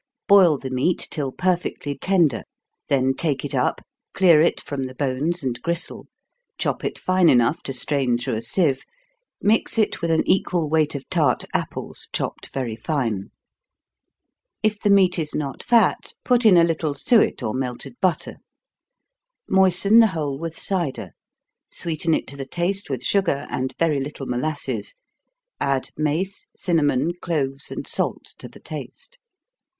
Boil the meat till perfectly tender then take it up, clear it from the bones and gristle, chop it fine enough to strain through a sieve, mix it with an equal weight of tart apples, chopped very fine. If the meat is not fat, put in a little suet, or melted butter. Moisten the whole with cider sweeten it to the taste with sugar, and very little molasses add mace, cinnamon, cloves, and salt, to the taste.